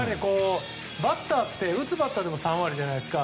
バッターって打つバッターでも３割じゃないですか。